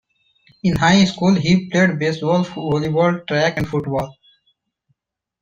In high school, he played baseball, volleyball, track and football.